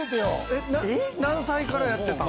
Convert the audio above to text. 何歳からやってたの？